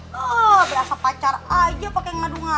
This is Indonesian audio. berasa pacar aja pakai ngadu ngadu sih